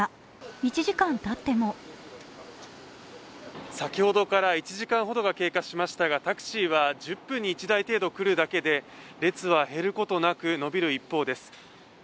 １時間たっても先ほどから１時間ほどが経過しましたが、タクシーは１０分に１台程度来るだけで、列は減ることなく伸びる一方です。